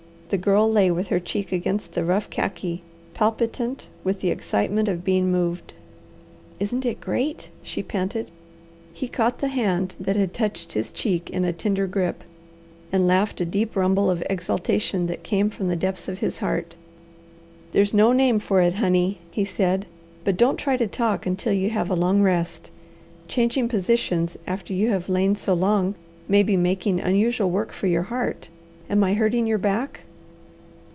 The Girl lay with her cheek against the rough khaki, palpitant with the excitement of being moved. "Isn't it great?" she panted. He caught the hand that had touched his cheek in a tender grip, and laughed a deep rumble of exultation that came from the depths of his heart. "There's no name for it, honey," he said. "But don't try to talk until you have a long rest. Changing positions after you have lain so long may be making unusual work for your heart. Am I hurting your back?"